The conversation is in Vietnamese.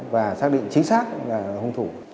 và xác định chính xác là hùng thủ